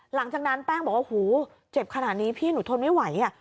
หลังจากนั้นแป้งบอกว่าหูเจ็บขนาดนี้พี่หนูทนไม่ไหว